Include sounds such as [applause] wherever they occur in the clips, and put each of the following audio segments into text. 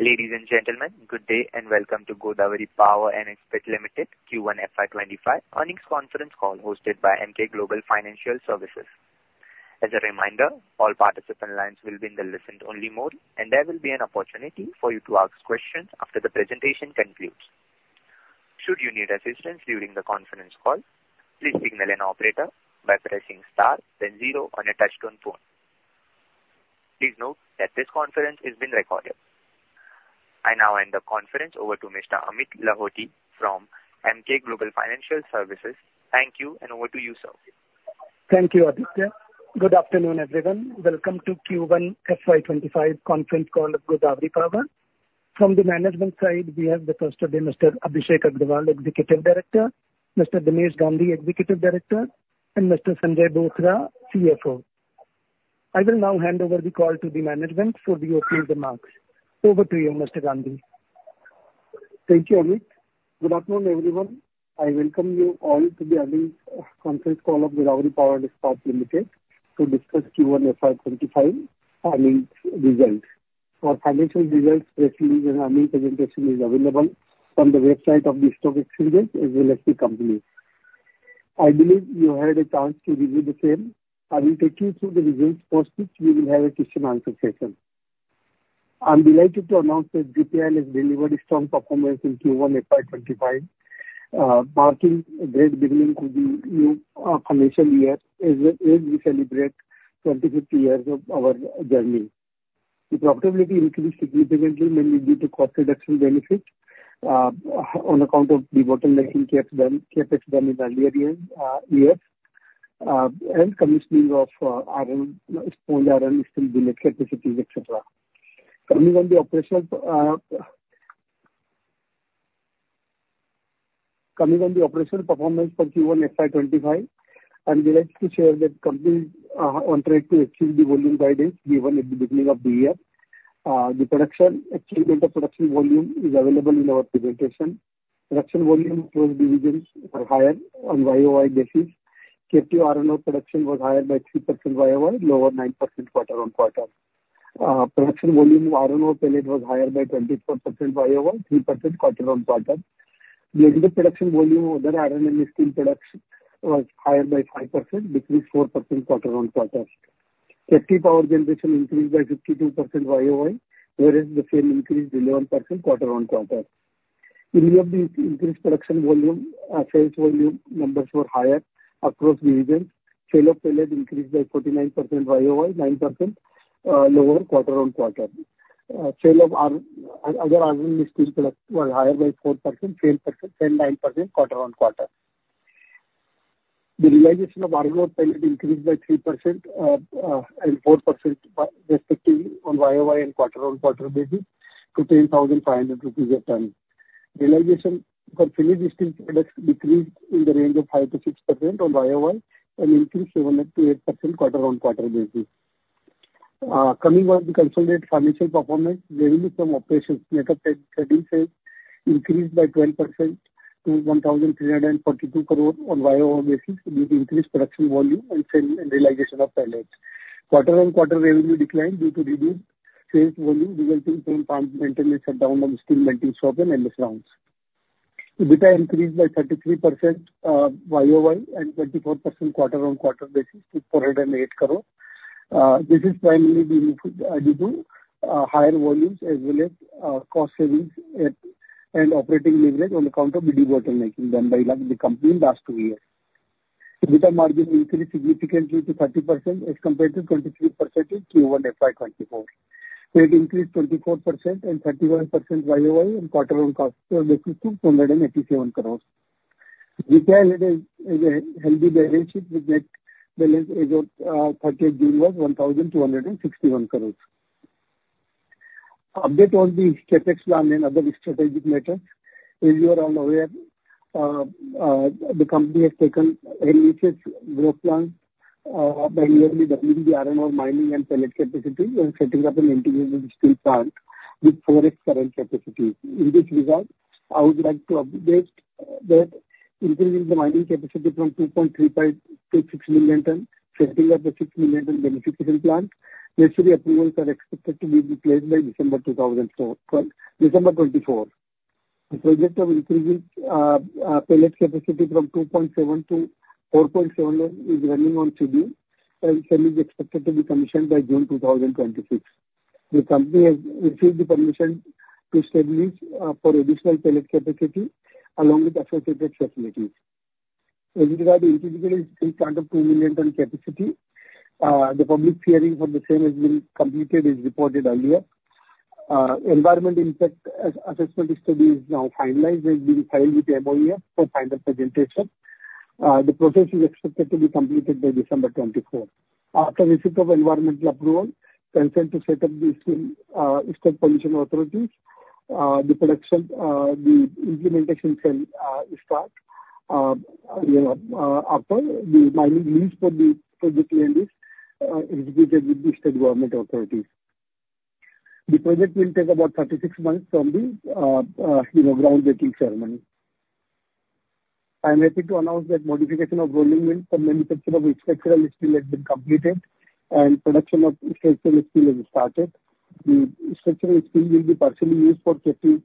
Ladies and gentlemen, good day, and welcome to Godawari Power & Ispat Limited Q1 FY 2025 earnings conference call, hosted by Emkay Global Financial Services. As a reminder, all participant lines will be in the listen-only mode, and there will be an opportunity for you to ask questions after the presentation concludes. Should you need assistance during the conference call, please signal an operator by pressing star then zero on your touchtone phone. Please note that this conference is being recorded. I now hand the conference over to Mr. Amit Lahoti from Emkay Global Financial Services. Thank you, and over to you, sir. Thank you, Aditya. Good afternoon, everyone. Welcome to Q1 FY 2025 conference call of Godawari Power. From the management side, we have the first of them, Mr. Abhishek Agarwal, Executive Director, Mr. Dinesh Gandhi, Executive Director, and Mr. Sanjay Bothra, CFO. I will now hand over the call to the management for the opening remarks. Over to you, Mr. Gandhi. Thank you, Amit. Good afternoon, everyone. I welcome you all to the earnings conference call of Godawari Power & Ispat Limited to discuss Q1 FY 2025 earnings results. Our financial results, press release, and earnings presentation is available on the website of the Stock Exchange, as well as the company. I believe you had a chance to review the same. I will take you through the results, post which we will have a question and answer session. I'm delighted to announce that GPL has delivered a strong performance in Q1 FY 2025, marking a great beginning to the new financial year, as we celebrate 25 years of our journey. The profitability increased significantly, mainly due to cost reduction benefits on account of the debottlenecking CapEx done in earlier years and commissioning of sponge iron and steel billet capacities, etc. Commenting on the operational performance for Q1 FY 2025, I'm delighted to share that company on track to achieve the volume guidance given at the beginning of the year. The achievement of production volume is available in our presentation. Production volume across the regions are higher on year-over-year basis. Captive iron ore production was higher by 3% year-over-year, lower 9% quarter-on-quarter. Production volume of iron ore pellet was higher by 24% year-over-year, 3% quarter-on-quarter. The aggregate production volume of other iron and steel production was higher by 5%, decreased 4% quarter-on-quarter. Captive power generation increased by 52% YoY, whereas the same increased 11% quarter-on-quarter. In view of the increased production volume, sales volume numbers were higher across the regions. Sale of pellets increased by 49% YoY, 9% lower quarter-on-quarter. Sale of iron, other iron and steel products was higher by 4%, 9% quarter-on-quarter. The realization of iron ore pellet increased by 3% and 4% respectively on YoY and quarter-on-quarter basis to 10,500 rupees a ton. Realization for finished steel products decreased in the range of 5% to 6% on YoY, and increased 7% to 8% quarter-on-quarter basis. Coming on the consolidated financial performance, revenue from operations net of trade, trade sales increased by 12% to 1,342 crore on YoY basis, due to increased production volume and sale, and realization of pellets. Quarter-on-quarter revenue declined due to reduced sales volume, resulting from plant maintenance shutdown on steel melting shop and billets and rounds. EBITDA increased by 33%, YoY, and 24% quarter-on-quarter basis to 408 crore. This has primarily been due to higher volumes as well as cost savings and operating leverage on account of the debottlenecking done by the company in last two years. EBITDA margin increased significantly to 30% as compared to 23% in Q1 FY 2024. Trade increased 24% and 31% YoY on quarter-on-quarter basis to INR 487 crore. GPL has a, has a healthy balance sheet with net balance as of 30 June was 1,261 crore. Update on the CapEx plan and other strategic matters. As you are all aware, the company has taken ambitious growth plans, by yearly doubling the iron ore mining and pellet capacity and setting up an integrated steel plant with 4x current capacity. In this regard, I would like to update that increasing the mining capacity from 2.35 to 6 million tons, setting up the 6 million ton beneficiation plant, necessary approvals are expected to be in place by December 2024. The project of increasing pellet capacity from 2.7 to 4.7 is running on schedule, and same is expected to be commissioned by June 2026. The company has received the permission to establish for additional pellet capacity along with associated facilities. As regards the integrated steel plant of 2 million ton capacity, the public hearing for the same has been completed, as reported earlier. Environmental impact assessment study is now finalized and being filed with MoEF for final presentation. The process is expected to be completed by December 2024. After receipt of environmental approval, consent to set up the steel state pollution authorities, the production, the implementation can start, you know, after the mining lease for the project land is executed with the state government authorities. The project will take about 36 months from the you know, groundbreaking ceremony. I'm happy to announce that modification of rolling mill for manufacturing of structural steel has been completed, and production of structural steel has started. The structural steel will be partially used for captive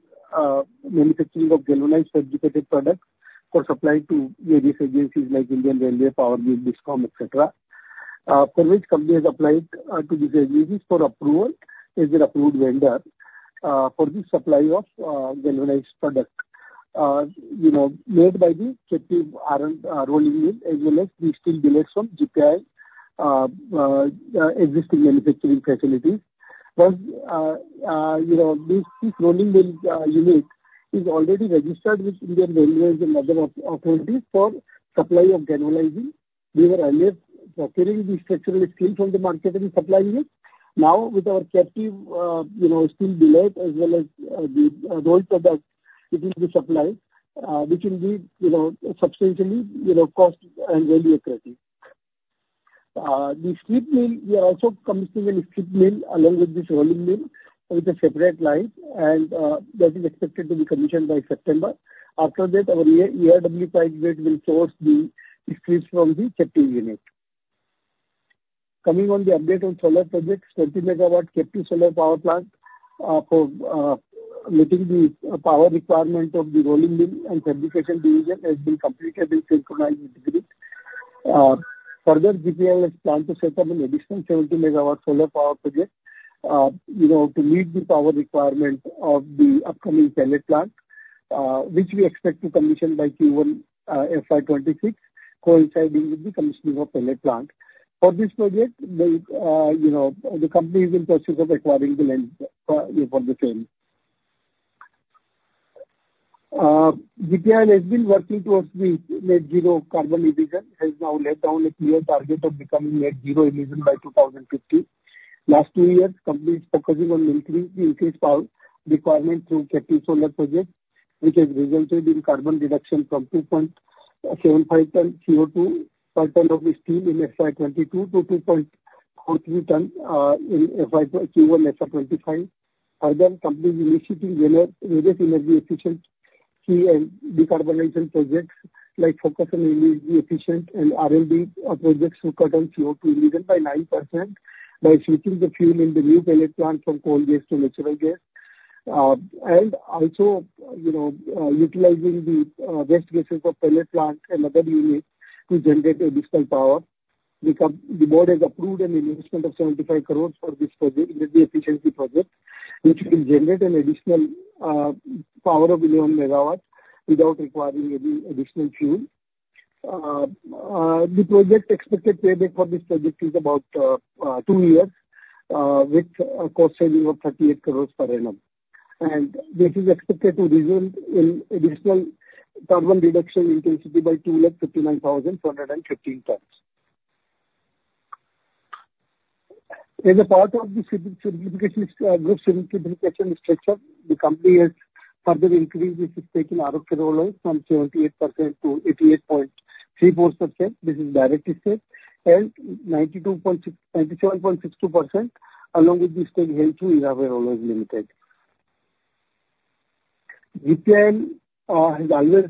manufacturing of galvanized fabricated products for supply to various agencies like Indian Railways, Power Grid, DISCOM, et cetera. For which company has applied to these agencies for approval as an approved vendor for the supply of galvanized product. You know, made by the captive iron rolling mill, as well as the steel billets from GPIL existing manufacturing facilities. But you know, this steel rolling mill unit is already registered with Indian Railways and other authorities for supply of galvanizing. We were earlier procuring the structural steel from the market and supplying it. Now, with our captive, you know, steel billet, as well as, the rolled product, it will be supplied, which will be, you know, substantially, you know, cost and value accretive. The strip mill, we are also commissioning a strip mill along with this rolling mill with a separate line, and, that is expected to be commissioned by September. After that, our HRC, ERW pipe grade will source the strips from the captive unit. Coming on the update on solar projects, 30 MW captive solar power plant, for meeting the power requirement of the rolling mill and fabrication division has been completed and synchronized with grid. Further, GPIL has planned to set up an additional 70 MW solar power project, you know, to meet the power requirement of the upcoming pellet plant, which we expect to commission by Q1 FY 2026, coinciding with the commissioning of pellet plant. For this project, the, you know, the company is in process of acquiring the land for the same. GPIL has been working towards the net zero carbon emission, has now laid down a clear target of becoming net zero emission by 2050. Last two years, company is focusing on increase power requirement through captive solar projects, which has resulted in carbon reduction from 2.75 ton CO2 per ton of the steel in FY 2022 to 2.40 ton in Q1 FY 2025. Further, company is initiating various energy efficient key and decarbonization projects, like focus on energy efficient and RLD projects to cut down CO2 emission by 9%, by switching the fuel in the new pellet plant from coal gas to natural gas. And also, you know, utilizing the waste gases of pellet plant and other unit to generate additional power. The board has approved an investment of 75 crores for this project, energy efficiency project, which will generate an additional power of 11 megawatts without requiring any additional fuel. The project expected payback for this project is about two years, with a cost saving of 38 crores per annum. And this is expected to result in additional carbon reduction intensity by 259,415 tons. As a part of the captive group structure, the company has further increased its stake in Alok Ferro Alloys from 78% to 88.34%. This is direct stake, and 97.62% along with the stake held through Hira Ferro Alloys Limited. GPIL has always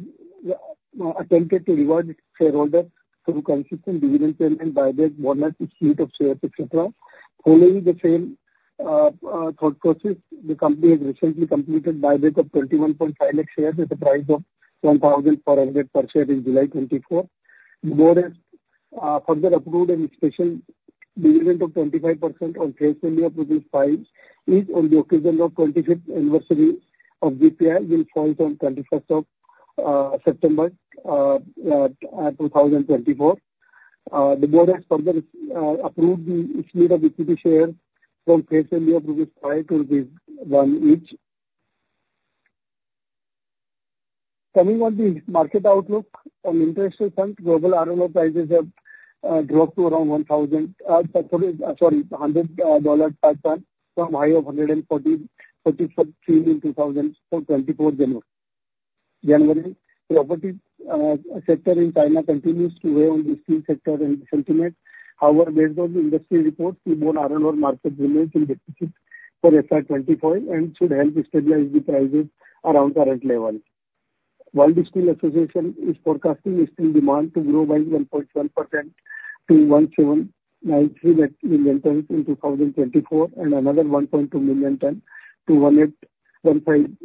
attempted to reward its shareholder through consistent dividend payment, buyback, bonus issue of shares, et cetera. Following the same thought process, the company has recently completed buyback of 21.5 lakh shares at a price of 1,400 per share in July 2024. Board has further approved a special dividend of 25% on face value of INR 5 each on the occasion of 25th anniversary of GPIL, which falls on 21st of September 2024. The board has further approved the issue of equity share from face value of rupees 5 to rupees 1 each. Coming on the market outlook on international front, global HRC prices have dropped to around $1,100 per ton, from high of $1,143 in January 2024. Property sector in China continues to weigh on the steel sector and sentiment. However, based on the industry reports, the global HRC market remains in deficit for FY 2025, and should help stabilize the prices around current level. World Steel Association is forecasting steel demand to grow by 1.1% to 1,793 million tons in 2024, and another 1.2% to 1,815 million tons in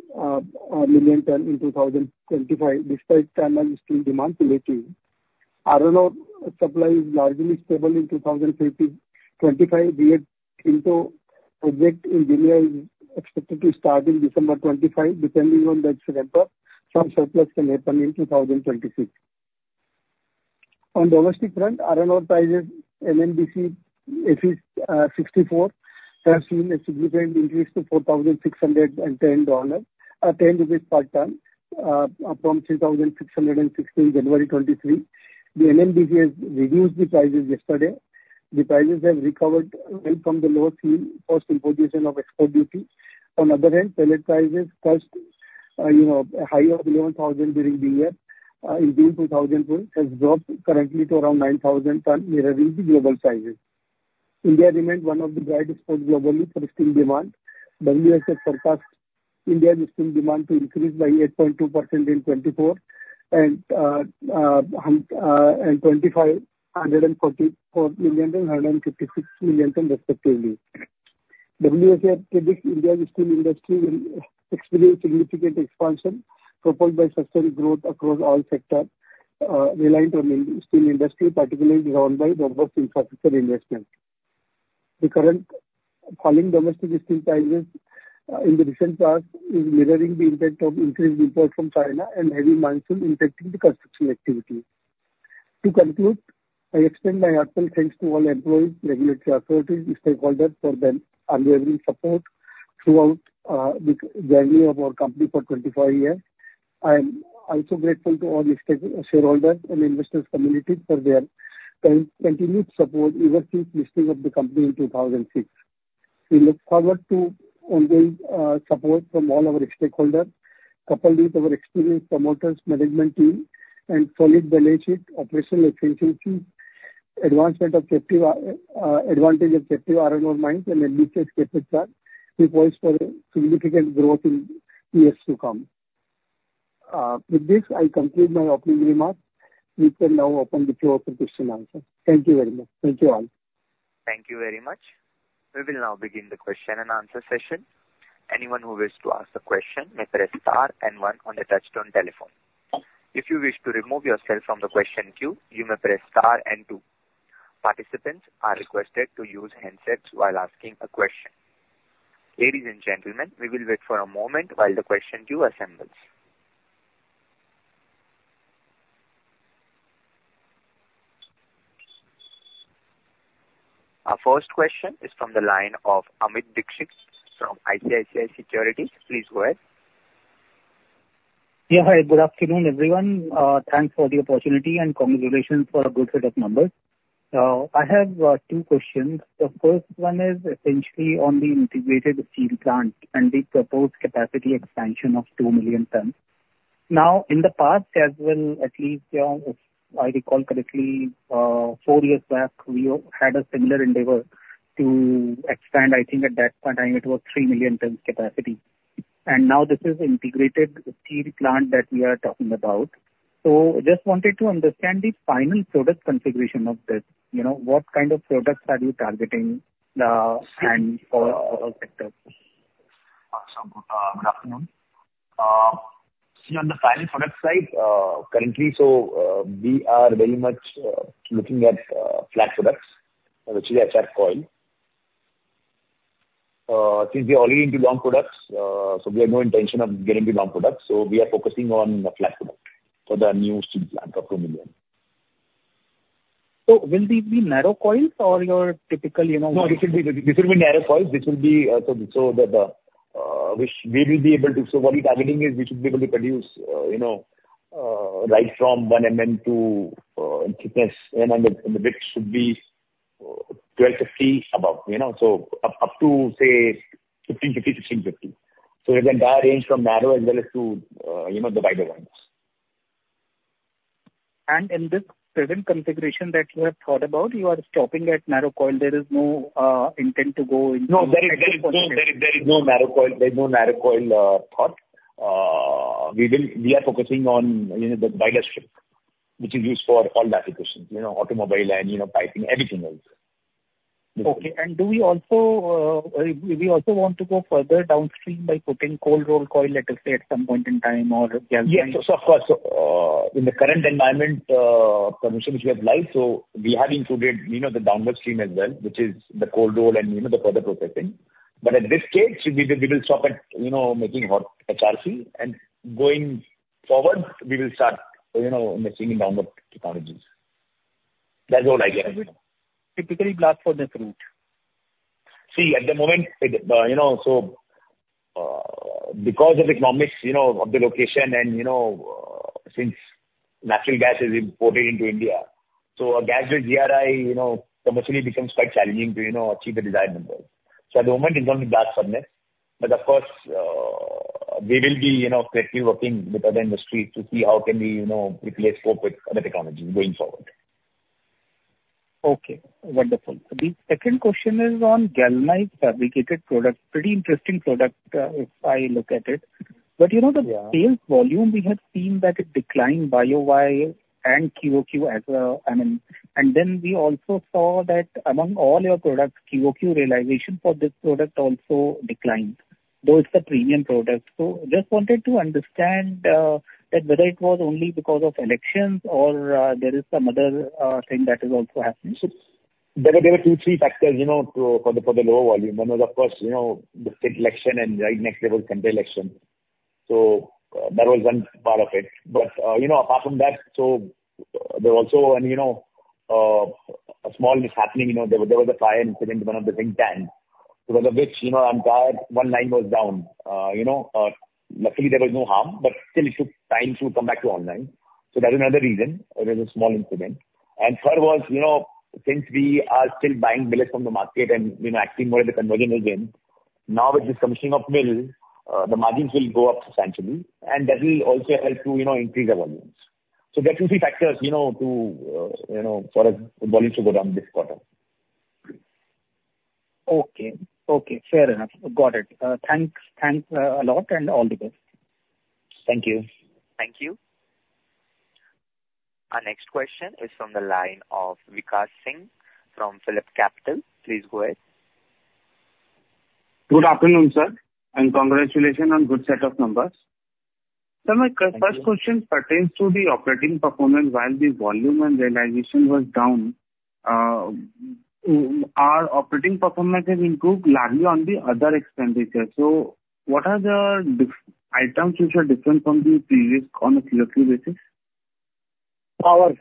2025, despite China steel demand weakening. Iron ore supply is largely stable in 2024 2025. We have Rio Tinto project in India is expected to start in December 2025. Depending on that ramp up, some surplus can happen in 2026. On domestic front, iron ore prices, NMDC Fe 64, has seen a significant increase to INR 4,610 per ton, up from 3,660, January 2023. The NMDC has reduced the prices yesterday. The prices have recovered well from the lower Fe post imposition of export duty. On other hand, pellet prices touched, you know, a high of 11,000 during the year. In 2004, has dropped currently to around 9,000 ton, mirroring the global prices. India remains one of the brightest spots globally for steel demand. The U.S. has surpassed Indian steel demand to increase by 8.2% in 2024, and, and, and 2025, 144 million and 156 million tons respectively. WSA predicts India's steel industry will experience significant expansion, propelled by sustained growth across all sectors, reliant on the steel industry, particularly driven by robust infrastructure investment. The current falling domestic steel prices, in the recent past is mirroring the impact of increased imports from China and heavy monsoon impacting the construction activity. To conclude, I extend my heartfelt thanks to all employees, regulatory authorities, stakeholders for their unwavering support throughout, the journey of our company for 25 years. I am also grateful to all the stakeholders and investors community for their continued support ever since listing of the company in 2006. We look forward to ongoing support from all our stakeholders, coupled with our experienced promoters, management team, and solid balance sheet, operational efficiency, advancement of captive, advantage of captive iron ore mines, and ambitious CapEx are we poised for significant growth in years to come. With this, I conclude my opening remarks. We can now open the floor for question answer. Thank you very much. Thank you all. Thank you very much. We will now begin the question and answer session. Anyone who wishes to ask the question may press star and one on the touchtone telephone. If you wish to remove yourself from the question queue, you may press star and two. Participants are requested to use handsets while asking a question. Ladies and gentlemen, we will wait for a moment while the question queue assembles. Our first question is from the line of Amit Dixit from ICICI Securities. Please go ahead. Yeah, hi. Good afternoon, everyone. Thanks for the opportunity and congratulations for a good set of numbers. I have two questions. The first one is essentially on the integrated steel plant and the proposed capacity expansion of 2 million tons. Now, in the past as well, at least, you know, if I recall correctly, four years back, we had a similar endeavor to expand. I think at that point in time it was 3 million tons capacity, and now this is integrated steel plant that we are talking about. So just wanted to understand the final product configuration of this. You know, what kind of products are you targeting, and for what sector? Good afternoon. On the final product side, currently, we are very much looking at flat products, which is HR coil. Since we are already into long products, we have no intention of getting the long products, so we are focusing on the flat products for the new steel plant of 2 million. So will these be narrow coils or your typical, you know? No, this will be narrow coils. So what we're targeting is we should be able to produce, you know, right from 1 mm in thickness, and then the width should be 1,250 above, you know, so up to, say, 1,550 to 1,650. So the entire range from narrow as well as to, you know, the wider ones. In this present configuration that you have thought about, you are stopping at narrow coil. There is no intent to go into. No, there is no narrow coil thought. We are focusing on, you know, the wider strip, which is used for all applications, you know, automobile and, you know, piping, everything else. Okay. Do we also want to go further downstream by putting Cold Rolled Coil, let us say, at some point in time or galvanized? Yes, so of course. In the current environment, permission which we have applied, so we have included, you know, the downstream as well, which is the cold roll and, you know, the further processing. But at this stage, we will stop at, you know, making hot HRC, and going forward, we will start, you know, investing in downward technologies. That's all I get. Typically Blast Furnace Route. See, at the moment, you know, so, because of economics, you know, of the location and, you know, since natural gas is imported into India, so a gas with DRI, you know, commercially becomes quite challenging to, you know, achieve the desired numbers. So at the moment it's going to be Blast Furnace. But of course, we will be, you know, closely working with other industry to see how can we, you know, replace coke with other technologies going forward. Okay, wonderful. The second question is on galvanized fabricated products. Pretty interesting product, if I look at it. But you know the Yeah. Sales volume, we had seen that it declined year-over-year and quarter-over-quarter as well. I mean, and then we also saw that among all your products, quarter-over-quarter realization for this product also declined, though it's a premium product. So just wanted to understand that whether it was only because of elections or there is some other thing that is also happening. So there were two, three factors, you know, for the lower volume. One was, of course, you know, the state election and right next there was general election. So that was one part of it. But you know, apart from that, so there was also an, you know, a small mishappening. You know, there was a fire incident in one of the zinc plants, because of which, you know, entire one line was down. You know, luckily there was no harm, but still it took time to come back to online. So that is another reason, it was a small incident. And third was, you know, since we are still buying billet from the market and, you know, actually more in the conversion margin, now with this commissioning of mill, the margins will go up substantially and that will also help to, you know, increase our volume. So that will be factors, you know, to, you know, for us volume to go down this quarter. Okay. Okay, fair enough. Got it. Thanks. Thanks, a lot, and all the best. Thank you. Thank you. Our next question is from the line of Vikash Singh from PhillipCapital. Please go ahead. Good afternoon, sir, and congratulations on good set of numbers. Sir, my first question pertains to the operating performance. While the volume and realization was down, our operating performance has improved largely on the other expenditures. So what are the diff items which are different from the previous on a quarterly basis? Power.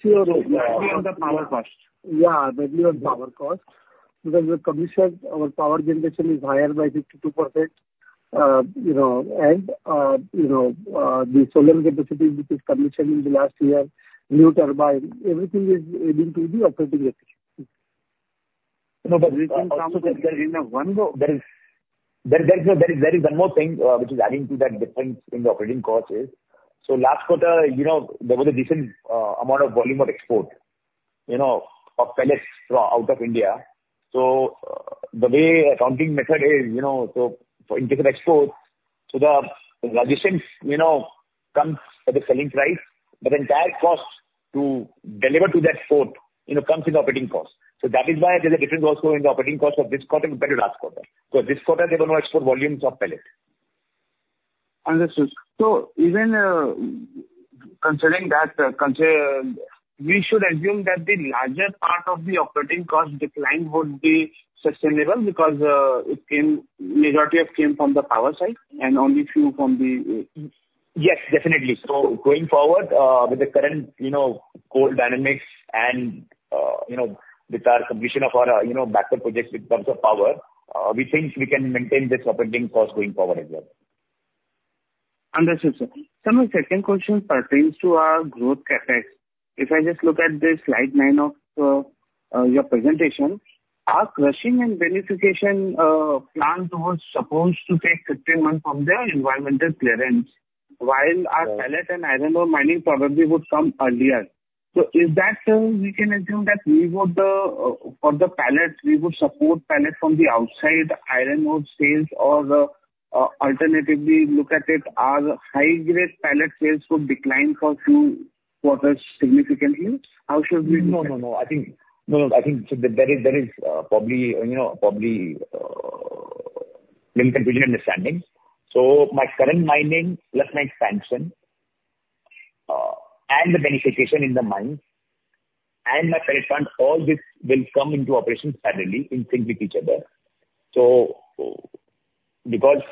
Sure, in the power cost. Yeah, mainly on power cost, because the commission, our power generation is higher by 52%. You know, and, you know, the solar capacity which is commissioned in the last year, new turbine, everything is leading to the operating efficiency. No, but There is one more thing which is adding to that difference in the operating costs is, so last quarter, you know, there was a decent amount of volume of export, you know, of pellets from out of India. So, the way accounting method is, you know, so for international exports, so the logistics, you know, comes at the selling price, but the entire cost to deliver to that port, you know, comes with operating costs. So that is why there is a difference also in the operating cost of this quarter compared to last quarter. So this quarter they will not export volumes of pellet. Understood. So even, considering that, we should assume that the larger part of the operating cost decline would be sustainable because, it came, majority of came from the power side and only few from the, Yes, definitely. So going forward, with the current, you know, core dynamics and, you know, with our completion of our, you know, backup projects in terms of power, we think we can maintain this operating cost going forward as well. Understood, sir. Sir, my second question pertains to our growth CapEx. If I just look at the slide 9 of your presentation, our crushing and beneficiation plant was supposed to take 15 months from their environmental clearance, while our pellet and iron ore mining probably would come earlier. So is that we can assume that we would for the pellet, we would support pellet from the outside iron ore sales or alternatively look at it, our high-grade pellet sales would decline for 2 quarters significantly. How should we- No, no, no. I think, no, no, I think there is, there is, probably, you know, probably, little confusion understanding. So my current mining, plus my expansion, and the beneficiation in the mine, and my pellet plant, all this will come into operations suddenly in sync with each other. So, because,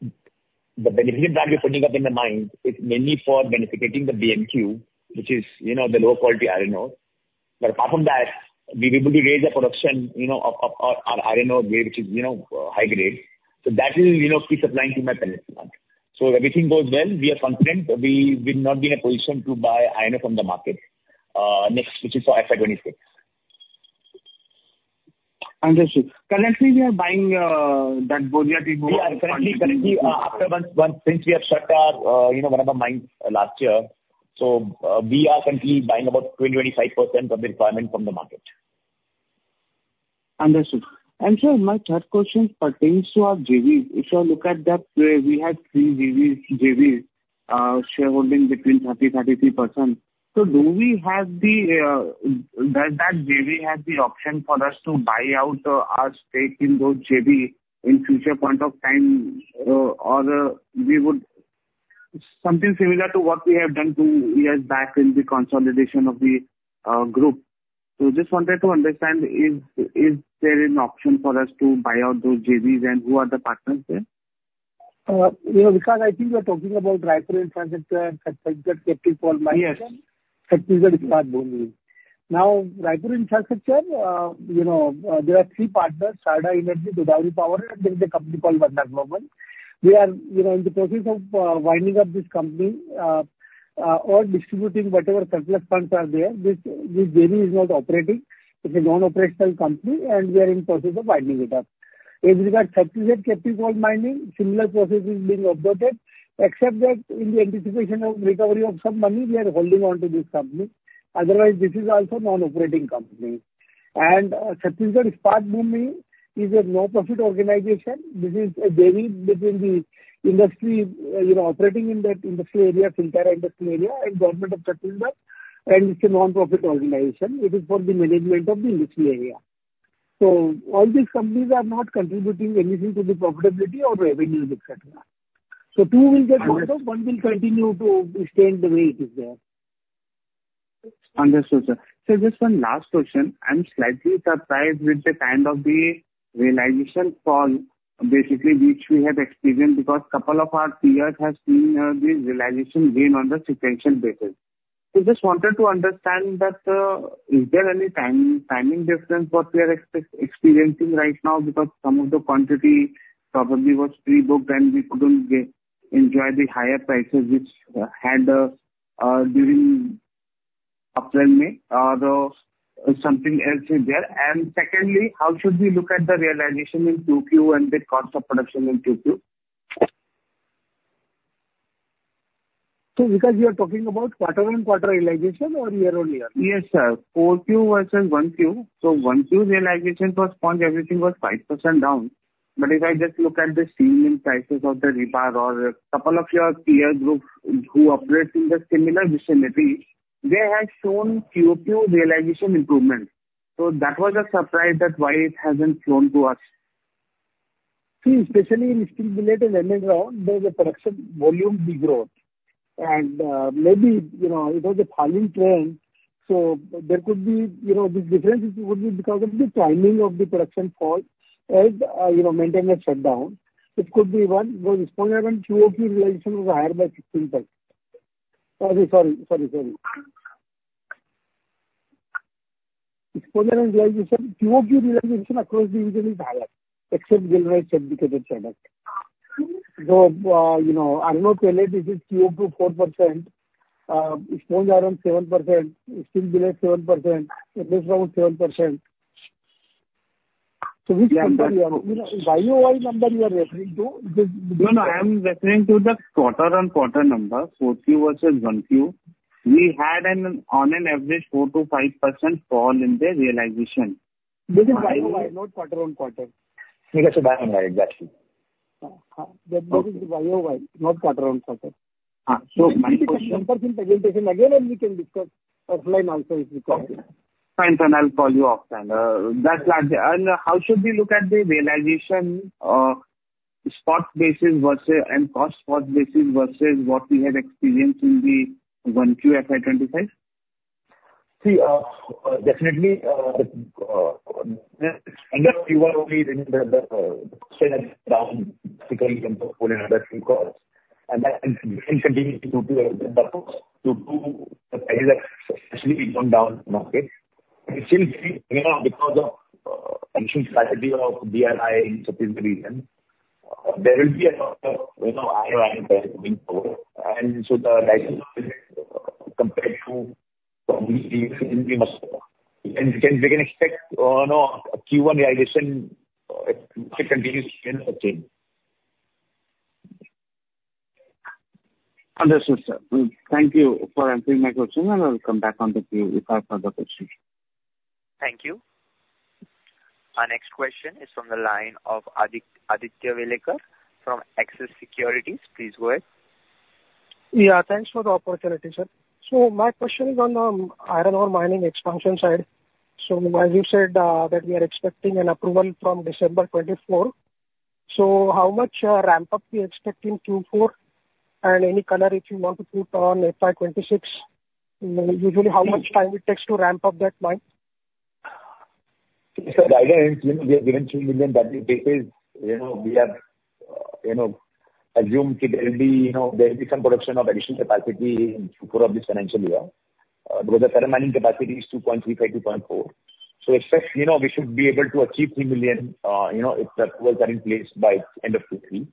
the beneficiation plant we're putting up in the mine is mainly for beneficiating the BMQ, which is, you know, the low quality iron ore. But apart from that, we'll be able to raise the production, you know, of, of our, our iron ore grade, which is, you know, high grade. So that will, you know, keep supplying to my pellets plant. So everything goes well. We are confident we will not be in a position to buy iron ore from the market, next, which is for FY 2026. Understood. Currently, we are buying. We are currently, since we have shut our, you know, one of the mines last year, so we are currently buying about 20% to 25% of the requirement from the market. Understood. And sir, my third question pertains to our JVs. If you look at that, we had three JVs, JVs, shareholding between 30% to 33%. So do we have the, does that JV have the option for us to buy out our stake in those JV in future point of time, or we would something similar to what we have done two years back in the consolidation of the group. So just wanted to understand, is there an option for us to buy out those JVs, and who are the partners there? You know, because I think you're talking about Raipur Infrastructure and Chhattisgarh Captive Mining. Yes. Chhattisgarh is part mining. Now, Raipur Infrastructure, you know, there are three partners, Sarda Energy, Vedanta Power, and there is a company called Vandana Global. We are, you know, in the process of, winding up this company, or distributing whatever surplus funds are there. This, this JV is not operating. It's a non-operational company, and we are in process of winding it up. As regard Chhattisgarh Captive Mining, similar process is being adopted, except that in the anticipation of recovery of some money, we are holding on to this company. Otherwise, this is also non-operating company. And, Chhattisgarh Ispat Bhumi is a nonprofit organization. This is a JV between the industry, you know, operating in that industrial area, Siltara industrial area, and Government of Chhattisgarh, and it's a nonprofit organization. It is for the management of the industry area. So all these companies are not contributing anything to the profitability or revenue, et cetera. Two will get one, one will continue to stay the way it is there. Understood, sir. Sir, just one last question. I'm slightly surprised with the kind of the realization for basically which we have experienced, because couple of our peers have seen the realization gain on the sequential basis. So just wanted to understand that, is there any timing difference what we are experiencing right now? Because some of the quantity probably was pre-booked and we couldn't get enjoy the higher prices which had during upfront me though something else is there. And secondly, how should we look at the realization in Q2 and the cost of production in Q2? Because you are talking about quarter-on-quarter realization or year-on-year? Yes, sir. Q4 versus 1Q. So 1Q realization for sponge, everything was 5% down. But if I just look at the selling prices of the rebar or a couple of your peer groups who operate in the similar vicinity, they have shown QoQ realization improvement. So that was a surprise as to why it hasn't shown to us. See, especially in steel billet and MS rounds, there is a production volume growth. And, maybe, you know, it was a falling trend, so there could be, you know, the differences would be because of the timing of the production fall and, you know, maintenance shutdown. It could be one, because sponge iron QoQ realization was higher by 15%. Sorry, sorry, sorry, sorry. Sponge iron realization, QoQ realization across the region is higher, except generated dedicated product. So, you know, iron ore pellet, it is QoQ 4%, sponge iron 7%, steel billet 7%, MS rounds 7%. So which company are, you know, year-on-year number you are referring to? The No, no, I am referring to the quarter-on-quarter number, Q4 versus 1Q. We had an average 4% to 5% fall in the realization. This is year-on-year, not quarter-on-quarter. Because year-over-year, exactly. That is year-over-year, not quarter-over-quarter. So my question [crosstalk] Presentation again, and we can discuss offline also if required. Okay. Fine, then I'll call you offline. That's large. How should we look at the realization, spot basis versus, and cost spot basis, versus what we had experienced in the 1Q FY 2025? See, definitely, in the Q1 within the, the, from another few calls, and that, and continuing to do especially in down market. And still, you know, because of capacity of BRI in certain region, there will be a lot of, you know, iron ore coming forward. And so the compared to and can, we can expect, you know, a Q1 realization to continue to maintain. Understood, sir. Thank you for answering my question, and I will come back on the queue if I have further questions. Thank you. Our next question is from the line of Aditya Welekar from Axis Securities. Please go ahead. Yeah, thanks for the opportunity, sir. So my question is on iron ore mining expansion side. So as you said that we are expecting an approval from December 2024. So how much ramp up we expect in Q4? And any color if you want to put on FY 2026, usually how much time it takes to ramp up that mine? So the idea is, you know, we are given 3 million, but it is, you know, we are, you know, assumed there will be, you know, there will be some production of additional capacity in Q4 of this financial year, because the current mining capacity is 2.35, 2.4. So it's just, you know, we should be able to achieve 3 million, you know, if that was in place by end of Q3.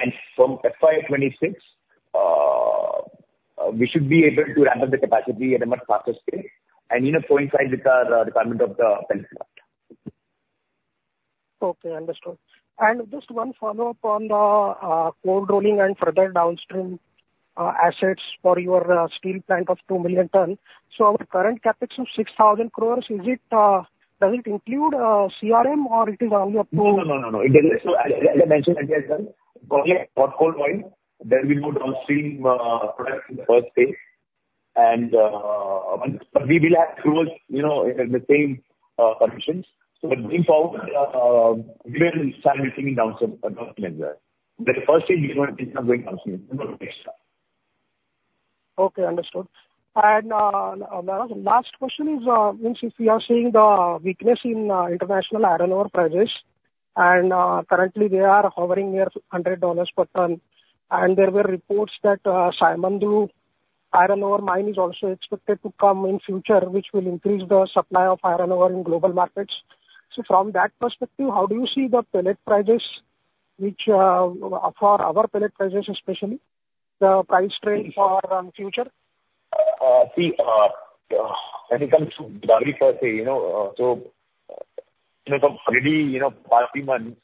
And from FY 2026, we should be able to ramp up the capacity at a much faster scale and, you know, coincide with our requirement of the product. Okay, understood. Just one follow-up on the cold rolling and further downstream assets for your steel plant of 2 million ton. Our current CapEx of 6,000 crore, does it include CRM or is it only approved? No, no, no, no. It does. So as I mentioned earlier, hot coil, then we put downstream product in the first phase, and, but we will have towards, you know, the same permissions. So going forward, we will start looking downstream there. But first thing, we want to think of going downstream. Okay, understood. And last question is, means if we are seeing the weakness in international iron ore prices, and currently they are hovering near $100 per ton. And there were reports that Simandou Iron Ore Mine is also expected to come in future, which will increase the supply of iron ore in global markets. So from that perspective, how do you see the pellet prices, which are for our pellet prices, especially the price trend for future? See, when it comes to pellet per se, you know, so, you know, already, you know, last three months,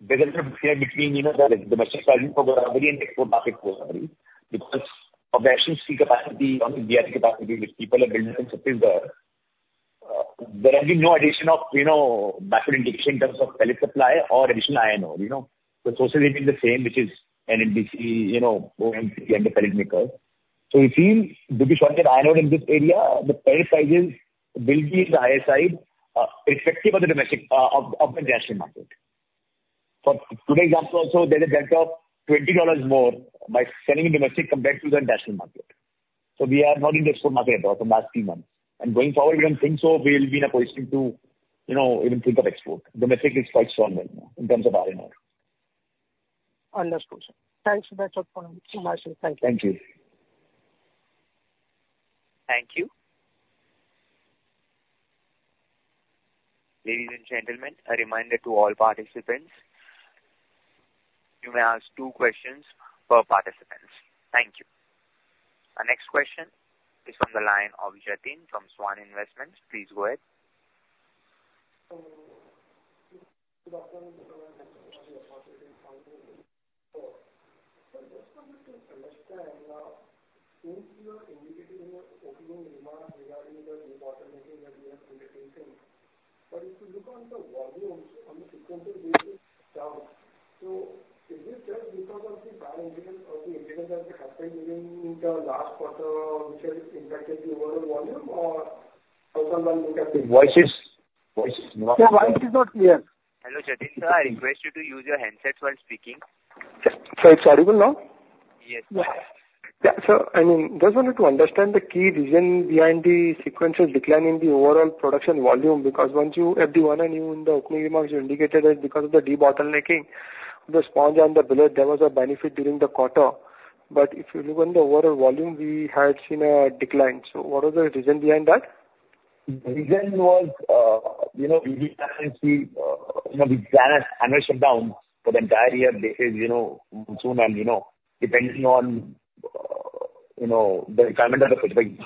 there is a difference between, you know, the domestic price for pellet and export market for pellet. Because of the actual steel capacity on the BF capacity, which people are building in central zone, there will be no addition of, you know, backward integration in terms of pellet supply or additional iron ore, you know? The sources remain the same, which is NMDC, you know, OMC and the pellet makers. So it seems to be short of iron ore in this area, the pellet prices will be on the higher side, irrespective of the domestic, of the national market. For today's example, also, there's a benefit of $20 more by selling in domestic compared to the international market. We are not in the export market at all for the last three months. Going forward, we don't think so we will be in a position to, you know, even think of export. Domestic is quite strong right now in terms of RNR. Understood, sir. Thanks for that. Thank you. Thank you. Ladies and gentlemen, a reminder to all participants, you may ask two questions per participants. Thank you. Our next question is from the line of Jatin from Svan Investments. Please go ahead. So, good afternoon everyone. Thank you for the opportunity. So just wanted to understand, now, since you are indicating your opening remarks regarding the debottlenecking that we have undertaken, but if you look on the volumes on the sequential, it is down. So is this just because of the bad incidents or the incidents that have happened during the last quarter, which has impacted the overall volume or something that Voices, voice is not. Your voice is not clear. Hello, Jatin sir, I request you to use your handset while speaking. It's audible now? Yes. Yeah. So, I mean, just wanted to understand the key reason behind the sequential decline in the overall production volume, because in the opening remarks, you indicated that because of the debottlenecking, the sponge and the billet, there was a benefit during the quarter. But if you look on the overall volume, we had seen a decline. So what is the reason behind that? The reason was, you know, we annual shutdown for the entire year because, you know, monsoon and, you know, depending on, you know, the requirement of the, like,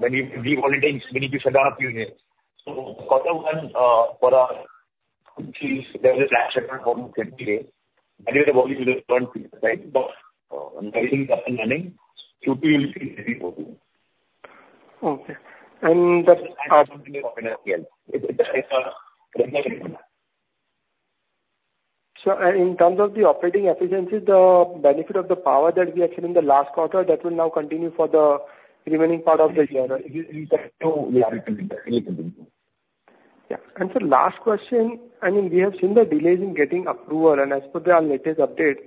when you, we holidays, when you shut down a few years. So quarter one, for our, there is a last shutdown problem anyway. Anyway, the volume will run right, but everything is up and running, Q2 will see very volume. Okay. And that's Yeah. [audio distortion] In terms of the operating efficiencies, the benefit of the power that we had in the last quarter, that will now continue for the remaining part of the year? Yes, we are continuing. We continue. Yeah. So last question. I mean, we have seen the delays in getting approval, and as per our latest update,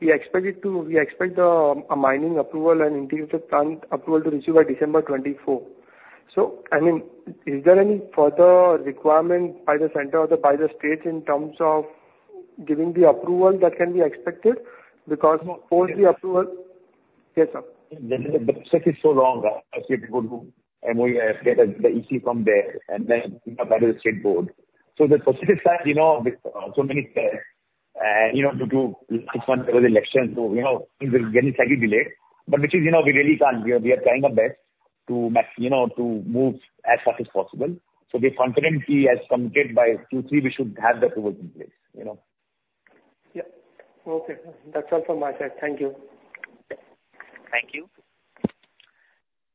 we expect it to, we expect the mining approval and integrated plant approval to receive by December 2024. So, I mean, is there any further requirement by the center or the, by the state in terms of giving the approval that can be expected? Because for the approval. Yes, sir. The process is so long, actually people who, and we get the EC from there, and then you have another state board. So the process is like, you know, with so many, you know, due to last month there was election, so, you know, things are getting slightly delayed, but which is, you know, we really can't. We are, we are trying our best to max, you know, to move as fast as possible. So we're confidently as committed by Q3, we should have the approvals in place, you know? Yeah. Okay. That's all from my side. Thank you. Thank you.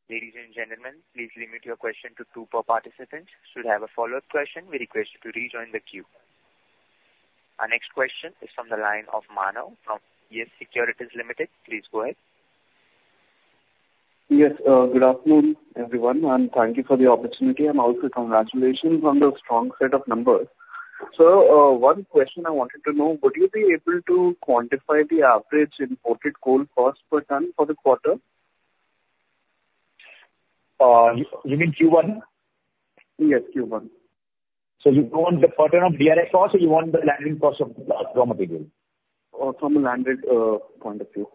Ladies and gentlemen, please limit your question to two per participant. Should have a follow-up question, we request you to rejoin the queue. Our next question is from the line of Manav from Yes Securities Limited. Please go ahead. Yes, good afternoon, everyone, and thank you for the opportunity. And also congratulations on the strong set of numbers. So, one question I wanted to know: Would you be able to quantify the average imported coal cost per ton for the quarter? You mean Q1? Yes, Q1. You want the quarter of DRF cost or you want the landing cost of raw material? From a landed point of view.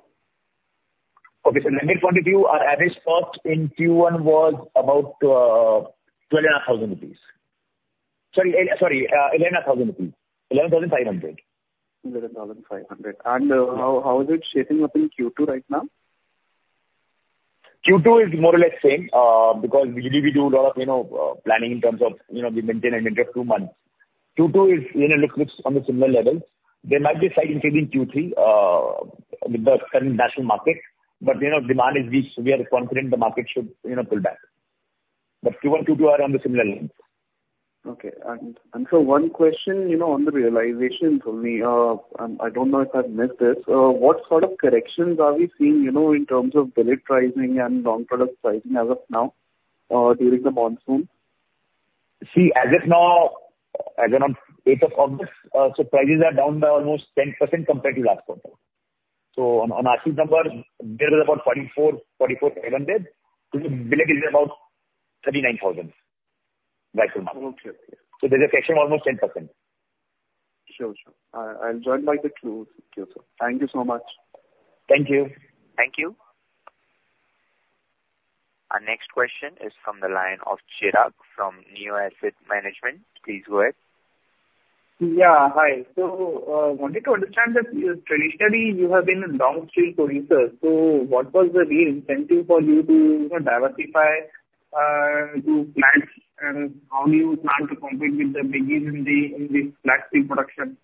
Okay, so landed point of view, our average cost in Q1 was about 12,000 rupees. Sorry, 11,000 rupees. 11,500. 11,500. And, how is it shaping up in Q2 right now? Q2 is more or less same, because usually we do a lot of, you know, planning in terms of, you know, we maintain a minimum of two months. Q2 is, you know, looks on the similar levels. There might be a slight increase in Q3 with the current national market, but, you know, demand is weak, so we are confident the market should, you know, pull back. But Q1, Q2 are on the similar lines. Okay. And so one question, you know, on the realization for me, and I don't know if I've missed this. What sort of corrections are we seeing, you know, in terms of billet pricing and long product pricing as of now, during the monsoon? See, as of now, as on 8th of August, so prices are down by almost 10% compared to last quarter. So on, on our sales number, there is about 4,400. Today, billet is about 39,000 right now. Okay. There's a correction almost 10%. Sure, sure. I, I'll join by the queue. Thank you so much. Thank you. Thank you. Our next question is from the line of Chirag from Neo Asset Management. Please go ahead. Yeah, hi. So, wanted to understand that traditionally you have been a downstream producer, so what was the real incentive for you to, you know, diversify, to plants and how do you start to compete with the biggies in the, in the flat steel production?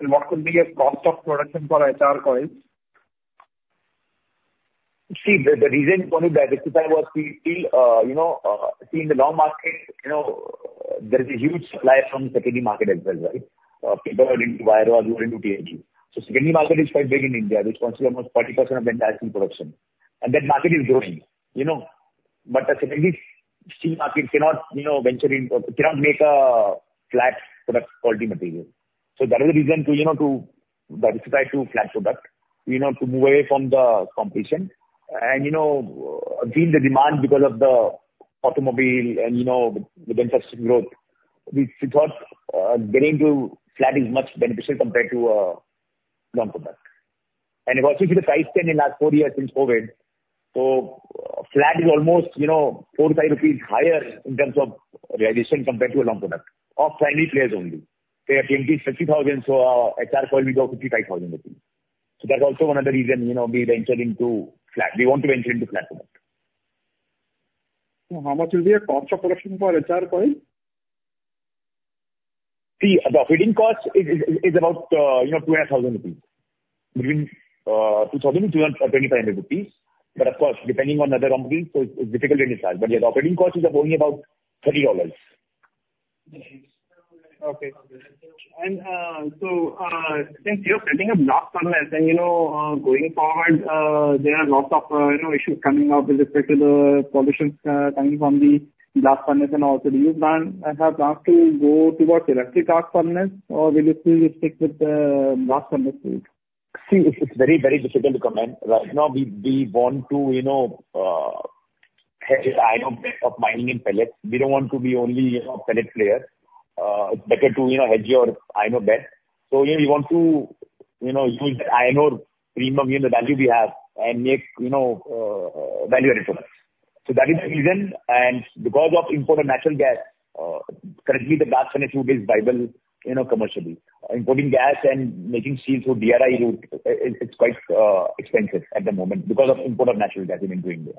And what could be a cost of production for HR coils? See, the reason for to diversify was we feel, you know, in the long market, you know, there is a huge supply from secondary market as well, right? People are into wire or into PNG. So secondary market is quite big in India. It's constantly almost 40% of the entire steel production, and that market is growing, you know. But a secondary steel market cannot, you know, venture into... cannot make a flat product quality material. So that is the reason to, you know, to diversify to flat product, you know, to move away from the competition. And, you know, given the demand because of the automobile and, you know, the infrastructure growth, we thought, getting to flat is much beneficial compared to long product and it was even 5, 10 in last four years since COVID. So, flat is almost, you know, 4 rupees to 5 higher in terms of realization compared to a long product of friendly players only. They are paying INR 50,000, so HR coil will go 55,000. So that's also one of the reason, you know, we venture into flat. We want to venture into flat product. How much will be a cost of production for HR Coil? See, the operating cost is about, you know, 20,000 rupees. Between 2,000 and INR 2,500. But of course, depending on other companies, so it's difficult to decide. But the operating costs are only about $30. Okay. So, since you're setting up Blast Furnace, and, you know, going forward, there are lots of, you know, issues coming up with respect to the pollution coming from the Blast Furnace and also do you plan, have plans to go towards Electric Arc Furnace, or will you still stick with the Blast Furnace Route? See, it's very, very difficult to comment. Right now, we want to, you know, have iron ore mining and pellets. We don't want to be only, you know, a pellet player. It's better to, you know, hedge your iron ore bet. So, you know, we want to, you know, use the iron ore premium, you know, the value we have, and make, you know, value add for us. So that is the reason, and because of import of natural gas, currently the Blast Furnace Route is viable, you know, commercially. Importing gas and making steel through DRI route, it's quite expensive at the moment because of import of natural gas into India.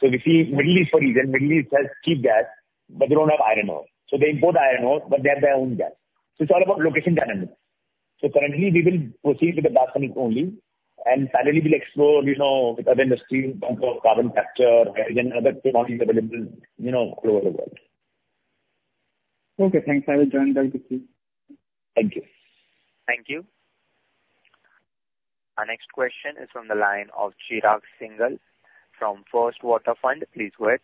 So we see Middle East for reason, Middle East has cheap gas, but they don't have iron ore. So they import the iron ore, but they have their own gas. So it's all about location dynamic. So currently, we will proceed with the blast furnace only, and finally we'll explore, you know, with other industry, in terms of carbon capture and other technologies available, you know, across the world. Okay, thanks. I will join back with you. Thank you. Thank you. Our next question is from the line of Chirag Singhal from First Water Fund. Please go ahead.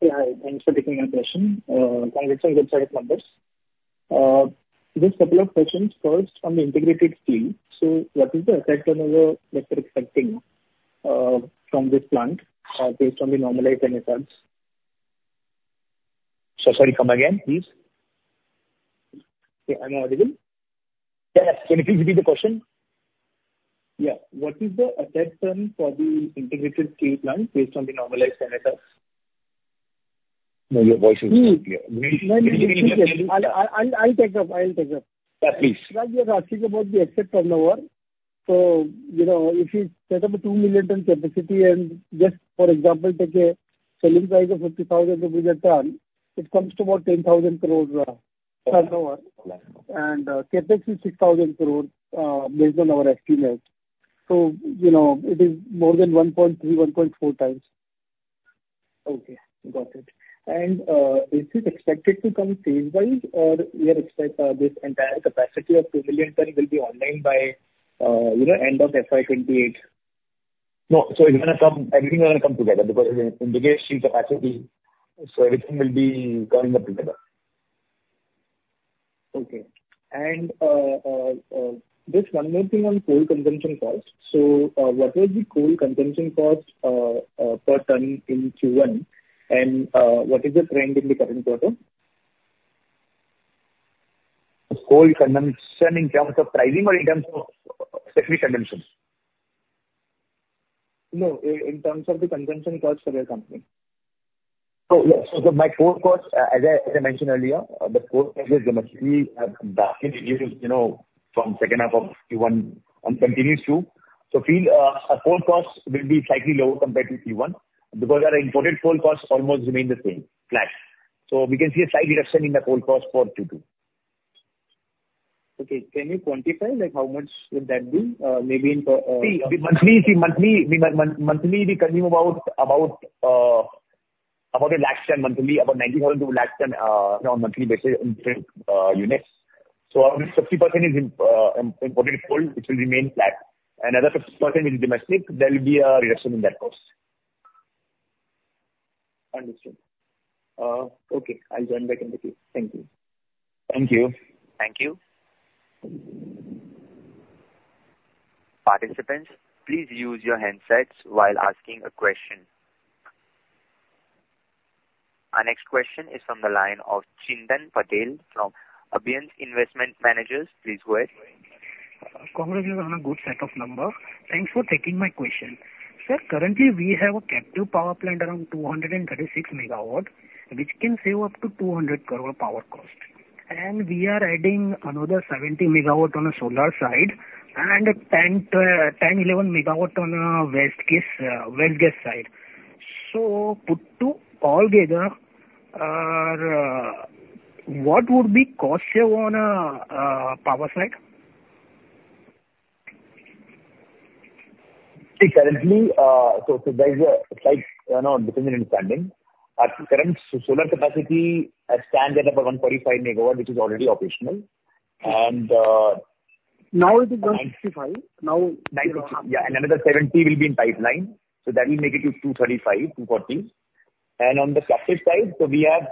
Yeah, thanks for taking my question. Congratulations on the numbers. Just a couple of questions. First, on the integrated steel. So what is the effect on your, that you're expecting, from this plant, based on the normalized CapEx? So sorry, come again, please. Yeah, am I audible? Yeah. Can you please repeat the question? Yeah. What is the effect on for the Integrated Steel Plant based on the normalized CapEx? No, your voice is not clear. I'll take off. Yeah, please. Like you're asking about the effect on our so, you know, if you set up a 2 million ton capacity, and just for example, take a selling price of 50,000 rupees a ton, it comes to about 10,000 crore, turnover. And, CapEx is 6,000 crore, based on our estimate. So, you know, it is more than 1.3, 1.4 times. Okay, got it. Is it expected to come phase-wise, or you expect this entire capacity of 2 million ton will be online by, you know, end of FY 2028? No, so it's gonna come, everything will come together because it's integrated steel capacity, so everything will be going up together. Okay. Just one more thing on coal consumption cost. What was the coal consumption cost per ton in Q1, and what is the trend in the current quarter? Coal consumption in terms of pricing or in terms of, actually consumption? No, in terms of the consumption cost for your company. So, yeah, so my coal cost, as I, as I mentioned earlier, the coal prices domestically have come back and reduced, you know, from second half of Q1 and continues to. So fuel, coal costs will be slightly lower compared to Q1, because our imported coal costs almost remain the same, flat. So we can see a slight reduction in the coal cost for Q2. Okay, can you quantify, like, how much would that be? Maybe in See, the monthly we consume about 100,000 tons monthly, about 90,000 to 100,000 tons on a monthly basis in different units. So about 60% is in imported coal, which will remain flat, and another 50% is domestic, there will be a reduction in that cost. Understood. Okay, I'll join back in with you. Thank you. Thank you. Thank you. Participants, please use your handsets while asking a question. Our next question is from the line of Chintan Patel from Abans Investment Managers. Please go ahead. Congratulations on a good set of numbers. Thanks for taking my question. Sir, currently, we have a captive power plant around 236 megawatt, which can save up to 200 crore power cost. We are adding another 70 megawatt on the solar side, and 10 to 11 megawatt on waste gas side. So putting all together, what would be cost save on power side? See, currently, there is a slight dependency in planning. Our current solar capacity stands at about 145 MW, which is already operational. And, Now it is just 65. Now Yeah, and another 70 will be in pipeline, so that will make it to 235 to 240. And on the captive side, so we have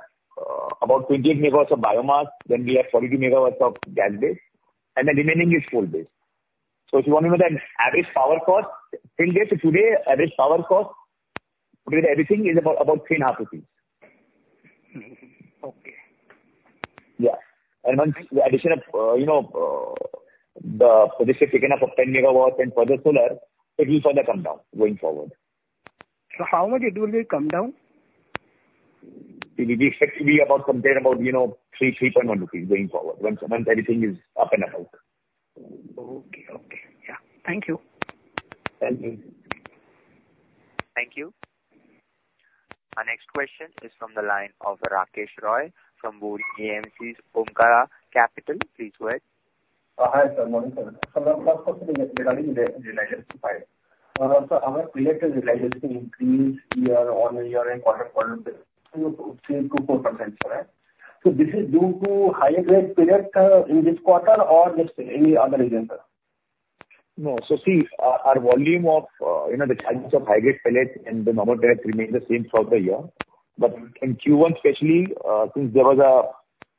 about 28 MW of biomass, then we have 40 MW of gas base, and the remaining is coal base. So if you want to know the average power cost till date, so today, average power cost, including everything, is about, about 3.5 rupees. Mm-hmm. Okay. Yeah. And once the addition of, you know, the, for this second of 10 MW and further solar, it will further come down going forward. So, how much it will come down? We expect to be about somewhere about, you know, 3.1 rupees going forward, once everything is up and about. Okay, okay. Yeah. Thank you. Thank you. Thank you. Our next question is from the line of Rakesh Roy from Moore AMC's Omkara Capital. Please go ahead. Hi, sir. Morning, sir. So my first question is regarding the realization profile. So our average realization increased year-on-year and quarter-on-quarter, 2% to 4%, correct? So this is due to higher grade pellet in this quarter or, let's say, any other reason, sir? No. So see, our volume of, you know, the channels of high grade pellet and the normal pellet remain the same throughout the year. But in Q1 especially, since there was a,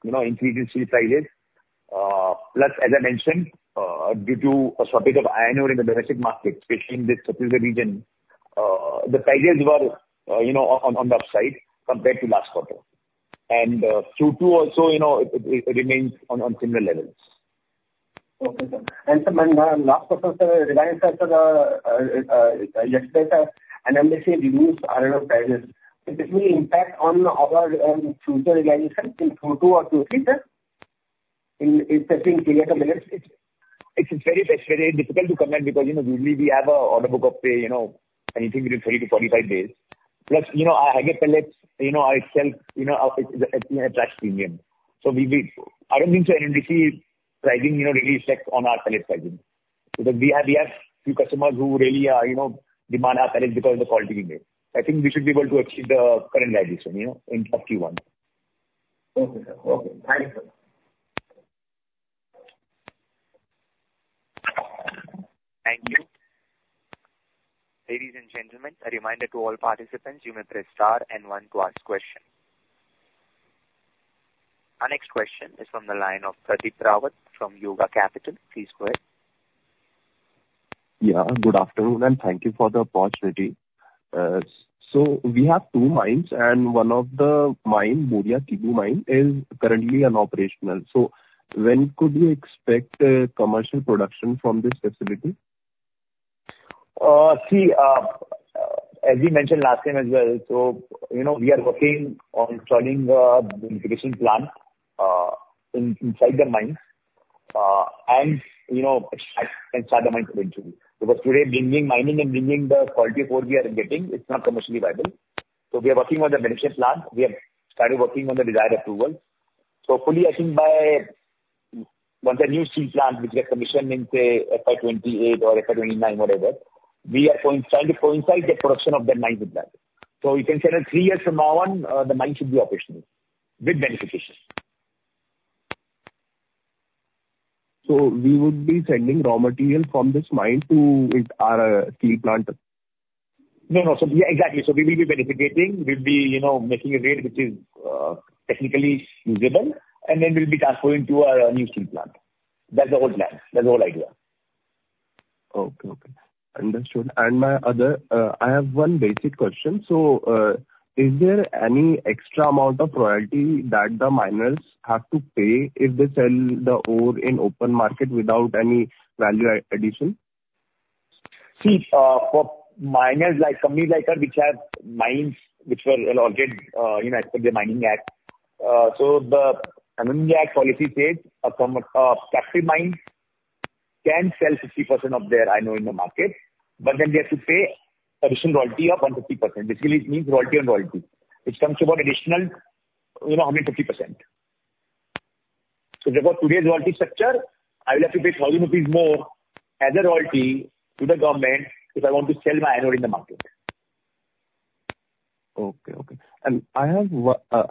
you know, increase in steel prices, plus, as I mentioned, due to a surplus of iron ore in the domestic market, especially in the central region, the prices were, you know, on the upside compared to last quarter. And Q2 also, you know, it remains on similar levels. Okay, sir. And sir, my last question, sir, Reliance has yesterday announced a reduced iron ore prices. It will impact on our future realization in Q2 or Q3, sir, in terms of period of minutes? It's very difficult to comment because, you know, usually we have an order book of, you know, anything between 30 to 45 days. Plus, you know, our higher pellets, you know, are themselves, you know, attract premium. So, I don't think anybody sees pricing, you know, really affect on our pellet pricing. So we have a few customers who really are, you know, demand our pellet because of the quality we make. I think we should be able to achieve the current realization, you know, in Q1. Okay, sir. Okay, thank you, sir. Thank you. Ladies and gentlemen, a reminder to all participants, you may press star and one to ask question. Our next question is from the line of Pradeep Rawat from Yoga Capital. Please go ahead. Yeah, good afternoon, and thank you for the opportunity. So we have two mines, and one of the mine, Boria Tibu Mine, is currently nonoperational. So when could we expect commercial production from this facility? See, as we mentioned last time as well, so, you know, we are working on installing the beneficiation plant inside the mine, and, you know, and start the mine production. Because today, bringing mining and bringing the quality of ore we are getting, it's not commercially viable. So we are working on the beneficiation plant. We have started working on the desired approval. Hopefully, I think by, once the new steel plant, which we have commissioned in, say, FY 2028 or FY 2029, whatever, we are going, trying to coincide the production of the mine with that. So we can say that three years from now on, the mine should be operational with beneficiation. We would be sending raw material from this mine to with our steel plant? No, no. So, yeah, exactly. So we will be beneficiating. We'll be, you know, making a grade which is technically usable, and then we'll be transporting to our new steel plant. That's the whole plan. That's the whole idea. Okay. Okay. Understood. And my other, I have one basic question: So, is there any extra amount of royalty that the miners have to pay if they sell the ore in open market without any value addition? See, for miners, like companies like us, which have mines which were allotted, you know, as per the Mining Act, so the Mining Act policy says, a captive mine can sell 50% of their iron ore in the market, but then they have to pay additional royalty of 150%. Basically, it means royalty on royalty. It comes to about additional, you know, 150%. So for today's royalty structure, I will have to pay 1,000 rupees more as a royalty to the government if I want to sell my iron ore in the market. Okay. Okay. I have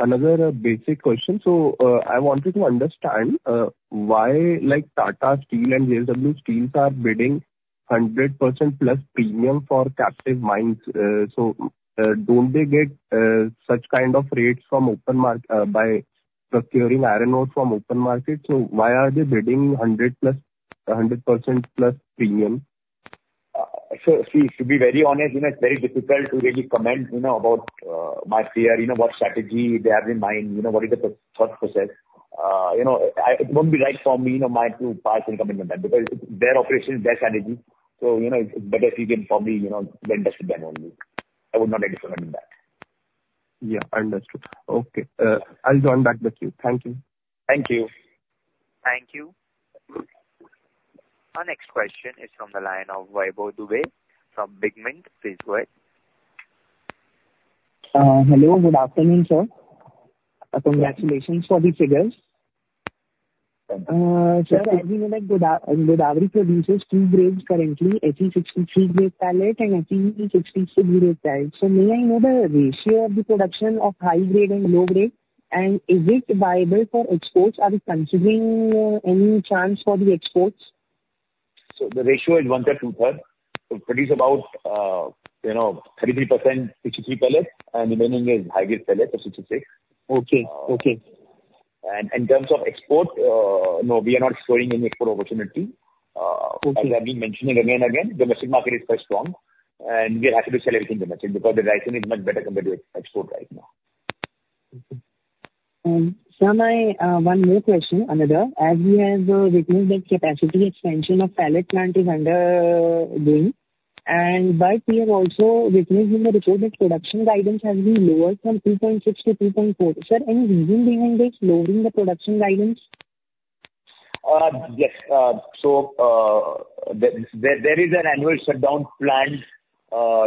another basic question. So, I wanted to understand why like Tata Steel and JSW Steel are bidding 100% plus premium for captive mines. So, don't they get such kind of rates from open market by procuring iron ore from open market? So why are they bidding 100 plus, a 100% plus premium? So see, to be very honest, you know, it's very difficult to really comment, you know, about my peer, you know, what strategy they have in mind, you know, what is the thought process. You know, it won't be right for me or my to pass any comment on that, because it's their operation, their strategy. So, you know, it's better if you can probably, you know, them best than only. I would not like to comment on that. Yeah, understood. Okay, I'll join back the queue. Thank you. Thank you. Thank you. Our next question is from the line of Vaibhav Dubey from BigMint. Please go ahead. Hello, good afternoon, sir. Congratulations for the figures. Thank you. Sir, as you know, like, Godawari produces two grades currently, Fe 63 grade pellet and Fe 66 grade pellet. So may I know the ratio of the production of high grade and low grade, and is it viable for exports? Are we considering any chance for the exports? So the ratio is 1/3, 2/3. So it produce about, you know, 30% 63 pellet, and the remaining is high grade pellet of 66. Okay. Okay. In terms of export, no, we are not exploring any export opportunity. As I've been mentioning again and again, the domestic market is quite strong, and we are happy to sell everything domestic, because the pricing is much better compared to export right now. Sir, my one more question, another. As we have witnessed that capacity expansion of pellet plant is undergoing, but we have also witnessed in the report that production guidance has been lowered from 2.6 to 2.4. Sir, any reason behind this lowering the production guidance? Yes. So, there is an annual shutdown planned,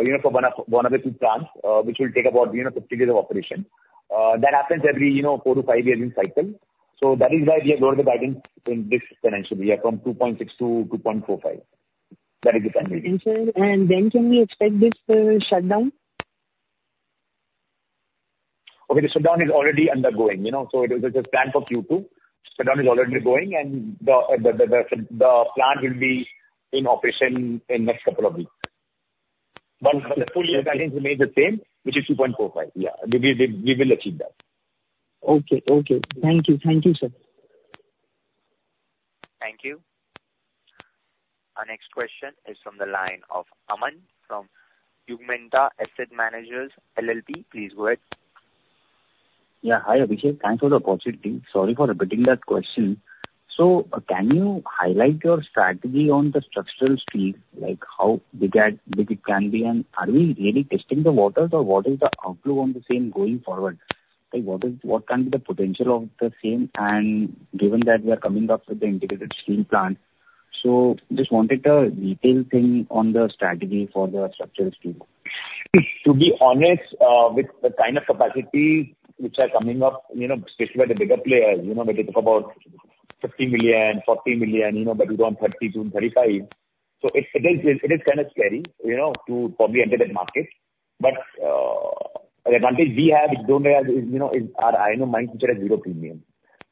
you know, for one of the two plants, which will take about, you know, 15 days of operation. That happens every, you know, four to five years in cycle. So that is why we have lowered the guidance in this financial year from 2.6 to 2.45. That is the reason. Sir, when can we expect this shutdown? Okay, the shutdown is already undergoing, you know, so it is planned for Q2. The shutdown is already going, and the plant will be in operation in the next couple of weeks. But the full year guidance remains the same, which is 2.45. Yeah, we will achieve that. Okay. Okay. Thank you. Thank you, sir. Thank you. Our next question is from the line of Aman from Augmenta Asset Managers LLP. Please go ahead. Yeah. Hi, Abhishek. Thanks for the opportunity. Sorry for repeating that question. So, can you highlight your strategy on the structural steel? Like, how big it can be, and are we really testing the waters, or what is the outlook on the same going forward? Like, what can be the potential of the same, and given that we are coming up with the integrated steel plant, so just wanted a detailed thing on the strategy for the structural steel. To be honest, with the kind of capacity which are coming up, you know, especially by the bigger players, you know, when they talk about 50 million, 40 million, you know, but we're on 30 to 35. So it is kind of scary, you know, to probably enter that market. But, the advantage we have is, you know, is our iron ore mine, which has zero premium.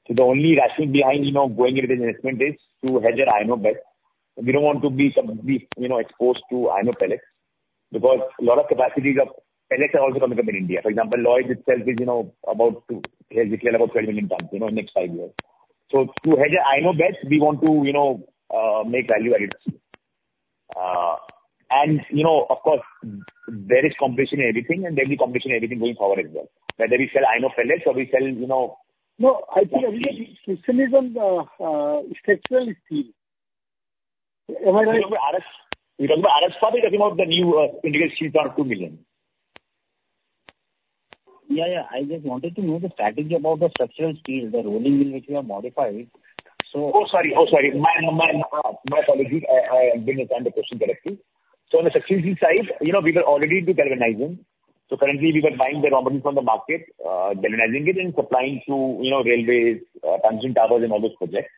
So the only rationale behind, you know, going into this investment is to hedge our iron ore bet, and we don't want to be some, you know, exposed to iron ore pellets, because a lot of capacities of pellets are also coming up in India. For example, Lloyds itself is, you know, about to, has declared about 12 million tons, you know, in the next 5 years. To hedge our iron ore bets, we want to, you know, make value-added investment. You know, of course, there is competition in everything, and there'll be competition in everything going forward as well, whether we sell iron ore pellets or we sell, you know. No, I think, Abhishek, structural is structural steel. Am I right? You're talking about RS, you're talking about RS part or you're talking about the new, integrated steel plant, 2 million? Yeah, yeah. I just wanted to know the strategy about the structural steel, the rolling which you have modified, so Oh, sorry. Oh, sorry. My, my, my apologies. I didn't understand the question correctly. So on the structural steel side, you know, we were already into galvanizing. So currently we were buying the raw material from the market, galvanizing it and supplying to, you know, railways, transmission towers and all those projects.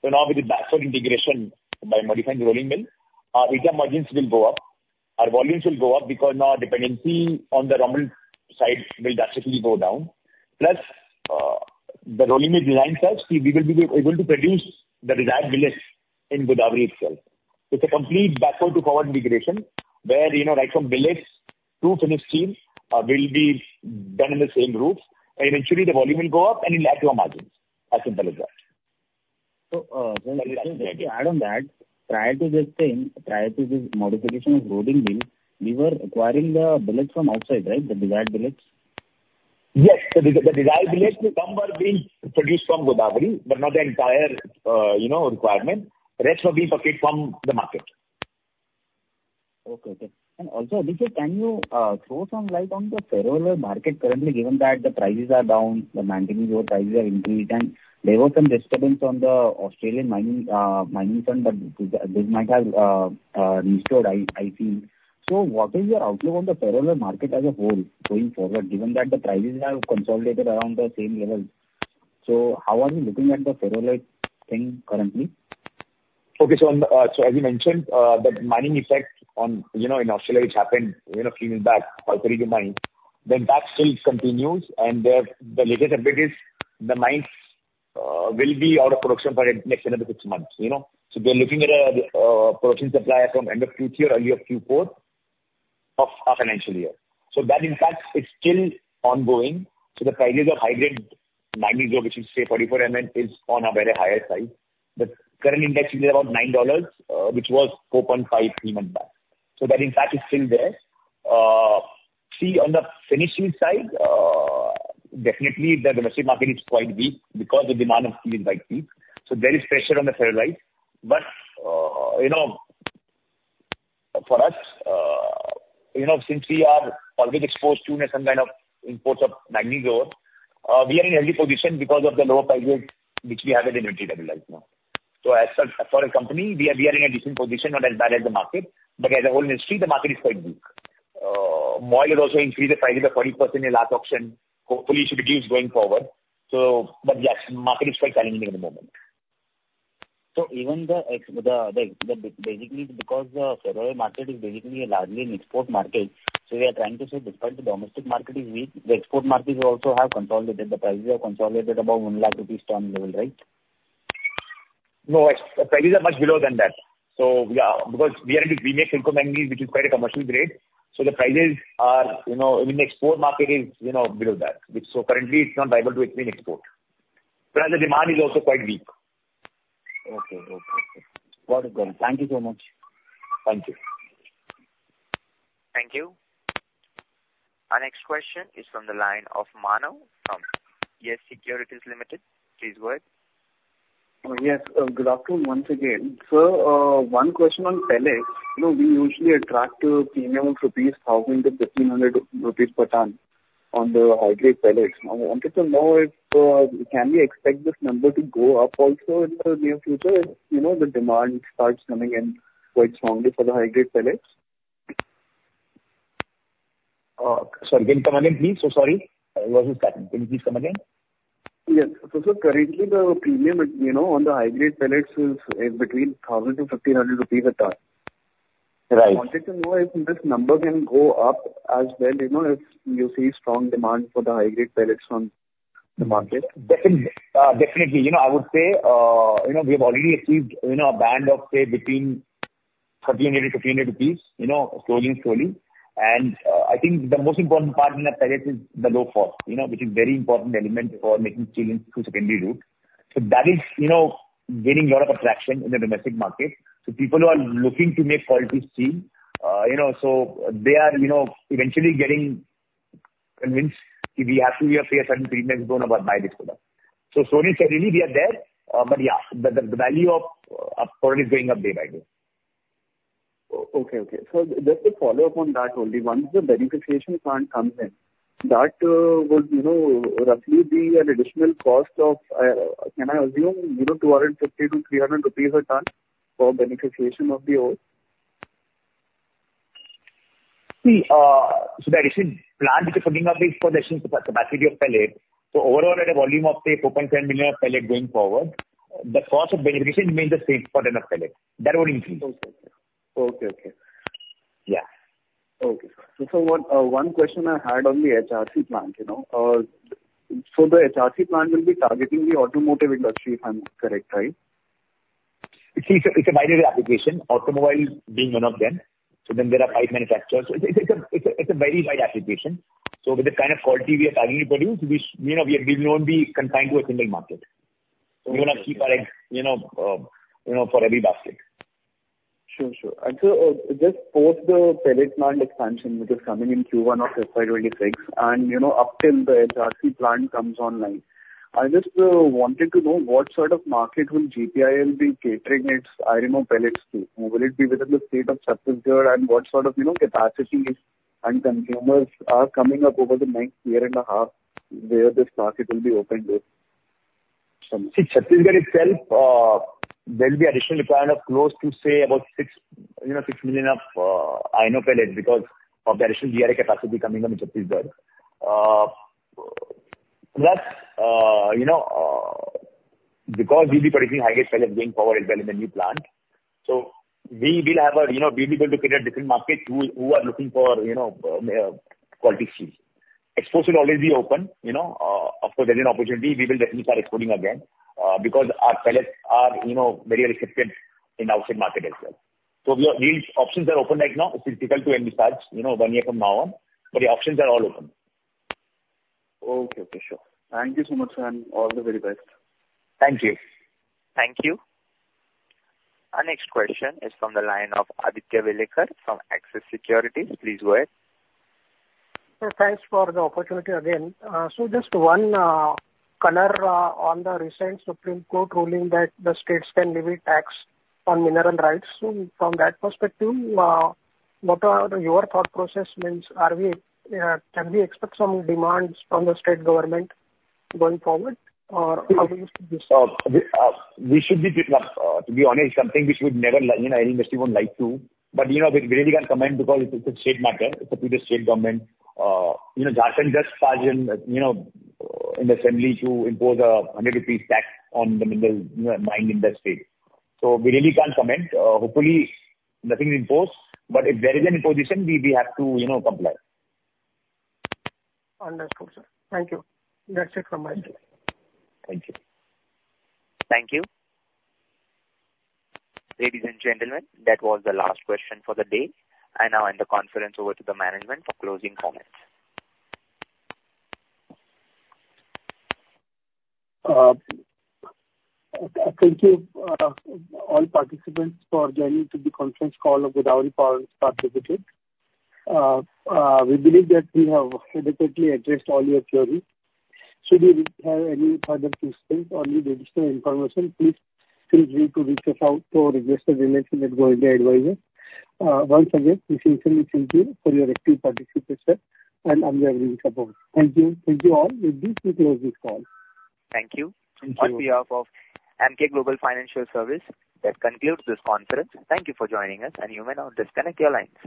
So now with the backward integration by modifying the rolling mill, EPS margins will go up. Our volumes will go up because now our dependency on the raw material side will drastically go down. Plus, the rolling is designed such, we will be able to produce the desired billets in Godawari itself. It's a complete backward to forward integration, where, you know, right from billets to finished steel, will be done in the same roof, and eventually the volume will go up and enhance our margins. As simple as that. So, can I just add on that? Prior to this thing, prior to this modification of rolling mill, we were acquiring the billets from outside, right? The desired billets. Yes. The desired billets, some were being produced from Godawari, but not the entire, you know, requirement. Rest were being procured from the market. Okay. Okay. And also, Abhishek, can you throw some light on the ferroalloy market currently, given that the prices are down, the manganese ore prices are increased, and there were some disturbance on the Australian mining front, but this might have restored, I think. So what is your outlook on the ferroalloy market as a whole going forward, given that the prices have consolidated around the same level? So how are we looking at the ferroalloy thing currently? Okay. So on the, so as you mentioned, that mining effect on, you know, in Australia which happened, you know, a few months back, about 30 days back, then that still continues, and the, the latest update is the mines will be out of production for the next another 6 months, you know? So we're looking at a, routine supply from end of Q3 or early Q4 of our financial year. So that impact is still ongoing. So the prices of high-grade manganese ore, which is, say, 44 Mn, is on a very higher side. The current index is about $9, which was $4.5 three months back. So that impact is still there. See, on the finishing side, definitely the domestic market is quite weak because the demand of steel is quite weak, so there is pressure on the ferroalloy. But, you know, for us, you know, since we are always exposed to some kind of imports of manganese ore, we are in a healthy position because of the lower prices which we have in inventory right now. So as for, for a company, we are, we are in a decent position, not as bad as the market, but as a whole industry, the market is quite weak. Coal has also increased the prices by 40% in last auction. Hopefully, it should reduce going forward. So, but yes, market is quite challenging at the moment. So even basically because the ferroalloy market is basically a largely an export market, so we are trying to say despite the domestic market is weak, the export markets also have consolidated. The prices have consolidated above 100,000 rupees/ton level, right? No, prices are much below than that. So, yeah, because we are in the premium silico manganese, which is quite a commercial grade, so the prices are, you know, in the export market is, you know, below that. Which so currently it's not viable to actually export, but the demand is also quite weak. Okay. Okay. Got it, then. Thank you so much. Thank you. Thank you. Our next question is from the line of Manav from Yes Securities Limited. Please go ahead. Yes. Good afternoon once again. Sir, one question on pellets. You know, we usually attract a premium of rupees 1,000 to 1,500 rupees per ton on the high-grade pellets. I wanted to know if can we expect this number to go up also in the near future if, you know, the demand starts coming in quite strongly for the high-grade pellets? Sorry, can you come again, please? So sorry, I wasn't certain. Can you please come again? Yes. So currently the premium, you know, on the high-grade pellets is between 1,000 to 1,500 rupees a ton. Right. I wanted to know if this number can go up as well, you know, if you see strong demand for the high-grade pellets from the market? Definitely. You know, I would say, you know, we have already achieved, you know, a band of, say, between 1,300 to 1,500 rupees, you know, slowly and slowly. And, I think the most important part in the pellets is the low cost, you know, which is very important element for making steel in secondary route. So that is, you know, gaining a lot of attraction in the domestic market. So people who are looking to make quality steel, you know, so they are, you know, eventually getting convinced that we have to pay a certain premium, you know, to buy this product. So slowly, slowly we are there, but yeah, the value of our product is going up day by day. Okay, okay. So just to follow up on that only, once the beneficiation plant comes in, that would, you know, roughly be an additional cost of, can I assume, you know, INR 250 to INR 300 a ton for beneficiation of the ore? See, so the additional plant which is coming up is for the capacity of pellet. So overall, at a volume of, say, 4.5 million of pellet going forward, the cost of beneficiation remains the same for the pellet. That won't increase. Okay, okay. Yeah. Okay. So one, one question I had on the HRC plant, you know. So the HRC plant will be targeting the automotive industry, if I'm correct, right? It's a wider application, automobile being one of them. So then there are pipe manufacturers. It's a very wide application. So with the kind of quality we are trying to produce, which, you know, we will not be confined to a single market. We want to keep our, you know, for every basket. Sure, sure. And so, just post the pellet plant expansion, which is coming in Q1 of FY 2026, and, you know, up till the HRC plant comes online, I just wanted to know what sort of market will GPAL be catering its iron ore pellets to. Will it be within the state of Chhattisgarh, and what sort of, you know, capacities and consumers are coming up over the next year and a half where this market will be open to? See, Chhattisgarh itself, there will be additional demand of close to, say, about 6, you know, 6 million of iron ore pellets because of the additional DRI capacity coming up in Chhattisgarh. Plus, you know, because we'll be producing high-grade pellets going forward as well in the new plant, so we will have a, you know, we'll be able to create a different market who, who are looking for, you know, quality steel. Exports will always be open, you know. After there is an opportunity, we will definitely start exporting again, because our pellets are, you know, very receptive in the outside market as well. So we are, these options are open right now. It's difficult to anticipate, you know, one year from now on, but the options are all open. Okay, okay, sure. Thank you so much, sir, and all the very best. Thank you. Thank you. Our next question is from the line of Aditya Welekar from Axis Securities. Please go ahead. Sir, thanks for the opportunity again. So just one color on the recent Supreme Court ruling that the states can levy tax on mineral rights. So from that perspective, what are your thought process means, are we can we expect some demands from the state government going forward, or how do you see this? We, we should be, to be honest, something which we'd never like, you know, any industry would like to, but, you know, we, we really can't comment because it's a state matter. It's up to the state government. You know, Jharkhand just passed an, you know, in the assembly to impose 100 rupees tax on the mineral, mined in that state. So we really can't comment. Hopefully, nothing imposed, but if there is any imposition, we, we have to, you know, comply. Understood, sir. Thank you. That's it from my side. Thank you. Thank you. Ladies and gentlemen, that was the last question for the day. I now hand the conference over to the management for closing comments. Thank you, all participants for joining to the conference call of Godawari Power & Ispat Limited. We believe that we have adequately addressed all your queries. Should you have any further questions or need additional information, please feel free to reach us out or Investor Relations at Godawari Power & Ispat Limited. Once again, we sincerely thank you for your active participation and unwavering support. Thank you. Thank you all. With this, we close this call. Thank you. Thank you. On behalf of Emkay Global Financial Services, that concludes this conference. Thank you for joining us, and you may now disconnect your line.